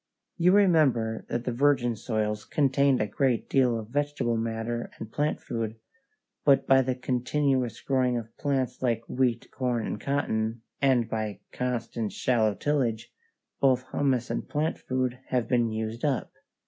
You remember that the virgin soils contained a great deal of vegetable matter and plant food, but by the continuous growing of crops like wheat, corn, and cotton, and by constant shallow tillage, both humus and plant food have been used up.